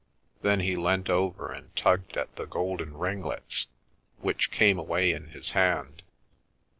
Then he leant over and tugged at the golden ringlets, which came away in his hand.